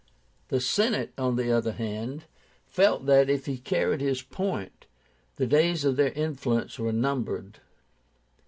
The Senate, on the other hand, felt that, if he carried his point, the days of their influence were numbered.